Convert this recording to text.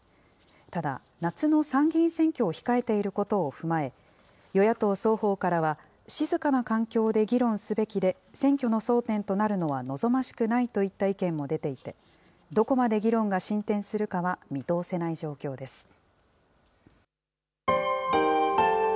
ただ、夏の参議院選挙を控えていることを踏まえ、与野党双方からは、静かな環境で議論すべきで、選挙の争点となるのは望ましくないといった意見も出ていて、どこまで議論が進展するかは見通せない状況です。